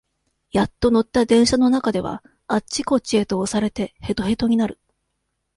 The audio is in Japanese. やっと乗った電車の中では、あっちこっちへと押されて、へとへとになる。